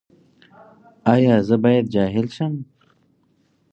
ایا زه باید جاهل شم؟